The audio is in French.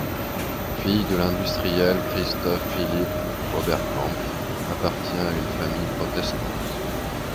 Fille de l'industriel Christophe-Philippe Oberkampf, appartient à une famille protestante.